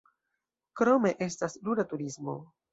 Krome estas rura turismo.